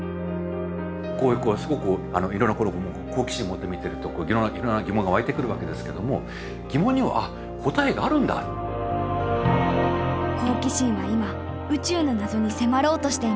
こういうすごくいろんなところを好奇心持って見てるといろんな疑問が湧いてくるわけですけども好奇心は今宇宙の謎に迫ろうとしています。